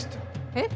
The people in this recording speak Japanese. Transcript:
えっ！